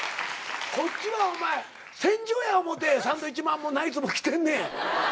こっちは戦場や思うてサンドウィッチマンもナイツも来てんねん。